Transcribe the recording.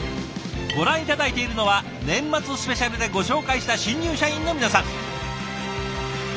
ご覧頂いているのは年末スペシャルでご紹介した新入社員の皆さん。